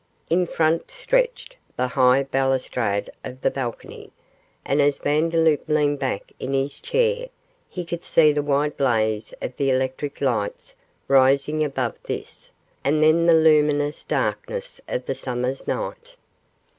In front stretched the high balustrade of the balcony, and as Vandeloup leaned back in his chair he could see the white blaze of the electric lights rising above this, and then the luminous darkness of the summer's night.